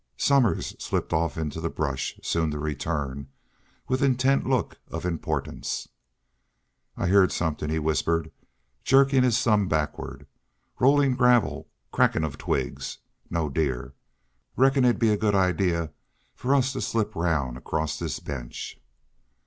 Somers slipped off into the brush, soon to return, with intent look of importance. "I heerd somethin'," he whispered, jerking his thumb backward. "Rollin' gravel crackin' of twigs. No deer! ... Reckon it'd be a good idee for us to slip round acrost this bench."